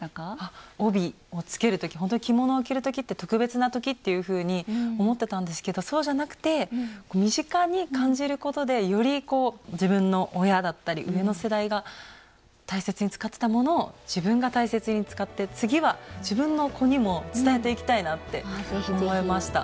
帯をつける時着物を着る時って特別な時っていうふうに思ってたんですけどそうじゃなくて身近に感じることでよりこう自分の親だったり上の世代が大切に使ってたものを自分が大切に使って次は自分の子にも伝えていきたいなって思いました。